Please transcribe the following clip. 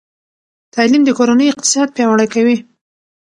تعلیم د کورنۍ اقتصاد پیاوړی کوي.